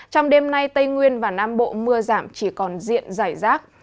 trong đêm nay tây nguyên và nam bộ mưa giảm chỉ còn diện giải rác